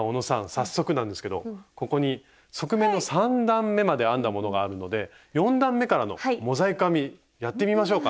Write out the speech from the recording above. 早速なんですけどここに側面の３段めまで編んだものがあるので４段めからのモザイク編みやってみましょうか？